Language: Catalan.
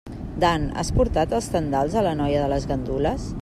Dan, has portat els tendals a la noia de les gandules?